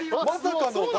まさかの。